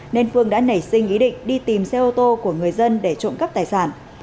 nên phương đã nảy sinh ý định đi tìm xe ô tô của người dân để trộm cắp tài sản